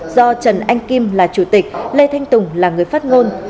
do trần anh kim là chủ tịch lê thanh tùng là người phát ngôn